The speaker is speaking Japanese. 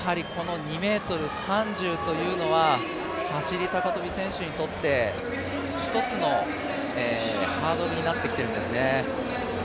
２ｍ３０というのは走高跳選手にとって１つのハードルになってきているんですね。